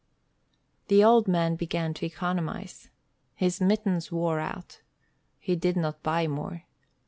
The old man began to economize. His mittens wore out. He did not buy more.